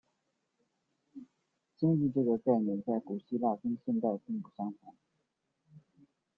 经济这个概念在古希腊跟现代并不相同。